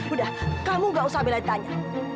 udah kamu gak usah beli tanya